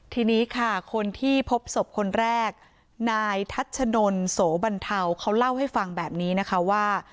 ทีนี้ค่ะคนที่พบศพคนแรกนายทัชนนโสบรรเทาเขาเล่าให้ฟังแบบนี้นะคะว่า